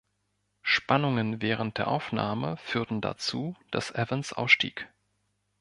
Spannungen während der Aufnahme führten dazu, dass Evans ausstieg.